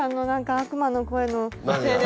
悪魔の声のせいで。